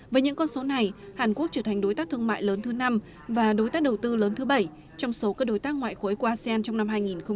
với những con số này hàn quốc trở thành đối tác thương mại lớn thứ năm và đối tác đầu tư lớn thứ bảy trong số các đối tác ngoại khối của asean trong năm hai nghìn hai mươi